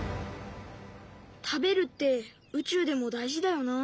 食べるって宇宙でも大事だよな。